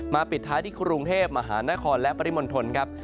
ปิดท้ายที่กรุงเทพมหานครและปริมณฑลครับ